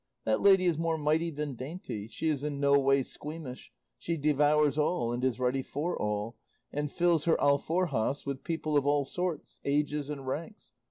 That lady is more mighty than dainty, she is in no way squeamish, she devours all and is ready for all, and fills her alforjas with people of all sorts, ages, and ranks.